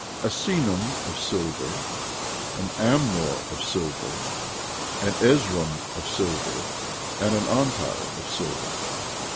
11:6 A senum of silver, an amnor of silver, an ezrom of silver, and an onti of silver.